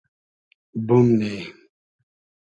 بومنی